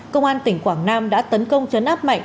công an tỉnh quảng nam đã tấn công chấn áp mạnh